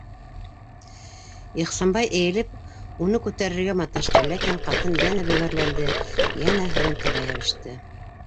- Ихсанбай, эйелеп, уны күтәрергә маташты, ләкин ҡатын йәнә бөгәрләнде, йәнә һырынтыға йәбеште.